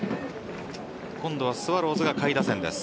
今度はスワローズが下位打線です。